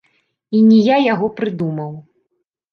І не я яго прыдумаў.